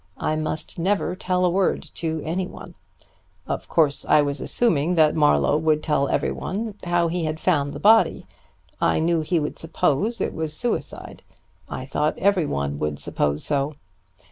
I must never tell a word to any one. Of course I was assuming that Marlowe would tell everyone how he had found the body. I knew he would suppose it was suicide; I thought everyone would suppose so.